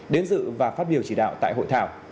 đến dự và phát biểu chỉ đạo tại hội thảo